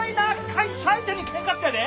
会社相手にケンカしたんやで！